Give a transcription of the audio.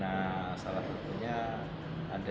nah salah satunya ada